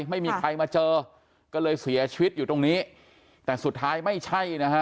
ไม่มีใครมาเจอก็เลยเสียชีวิตอยู่ตรงนี้แต่สุดท้ายไม่ใช่นะฮะ